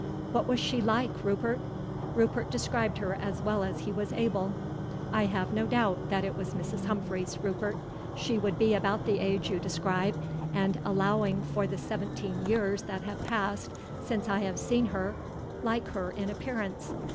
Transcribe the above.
"What was she like, Rupert?" Rupert described her as well as he was able. "I have no doubt that it was Mrs. Humphreys, Rupert; she would be about the age you describe, and, allowing for the seventeen years that have passed since I have seen her, like her in appearance.